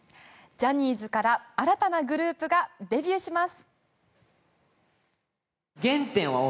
ジャニーズから新たなグループがデビューします。